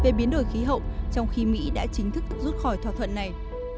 về biến đổi khí hậu trong khi mỹ đã chính thức rút khỏi thỏa thuận này